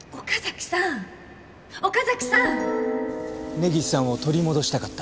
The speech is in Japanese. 根岸さんを取り戻したかった。